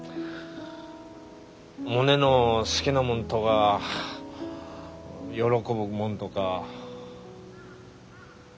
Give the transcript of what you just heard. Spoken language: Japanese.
モネの好きなもんとか喜ぶもんとか。